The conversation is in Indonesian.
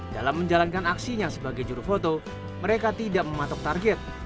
dalam menjalankan aksinya sebagai juru foto mereka tidak mematok target